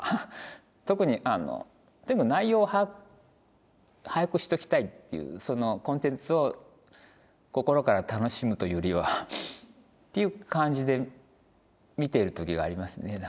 特にとにかく内容を把握しときたいっていうコンテンツを心から楽しむというよりはっていう感じで見ている時がありますね。